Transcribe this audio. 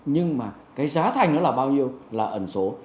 nhưng mà cái giá thành nó là bao nhiêu là ẩn số